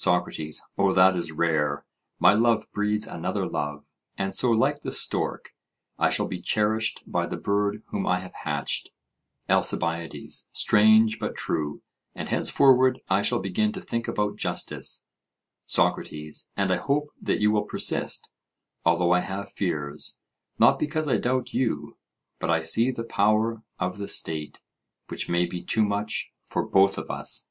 SOCRATES: O that is rare! My love breeds another love: and so like the stork I shall be cherished by the bird whom I have hatched. ALCIBIADES: Strange, but true; and henceforward I shall begin to think about justice. SOCRATES: And I hope that you will persist; although I have fears, not because I doubt you; but I see the power of the state, which may be too much for both of us.